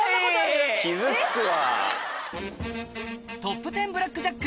トップ１０ブラック